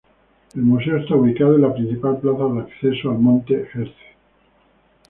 El museo está ubicado en la principal plaza de acceso al Monte Herzl.